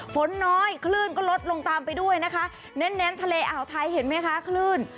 ฝนน้อยคลื่นก็ลดลงตามไปด้วยนะคะเน้นเน้นทะเลอ่าวไทยเห็นไหมคะคลื่น